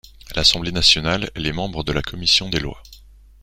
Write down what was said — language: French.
À l’Assemblée nationale, elle est membre de la commission des lois.